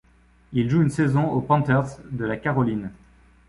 Il joue une saison aux Panthers de la Caroline.